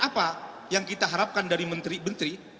apa yang kita harapkan dari menteri menteri